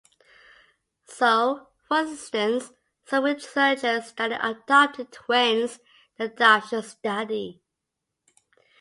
So, for instance, some researchers study adopted twins: the adoption study.